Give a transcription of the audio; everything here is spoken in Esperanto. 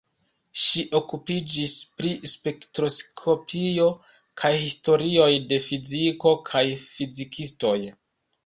Ŝi okupiĝis pri spektroskopio kaj historioj de fiziko kaj fizikistoj.